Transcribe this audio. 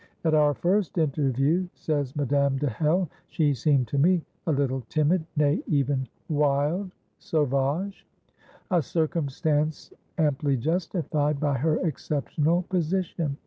"At our first interview," says Madame de Hell, "she seemed to me a little timid, nay, even wild (sauvage) a circumstance amply justified by her exceptional position.